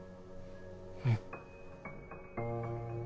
うん。